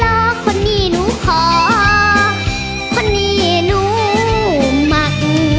เขาคนนี้นุคอก็นีนุมัก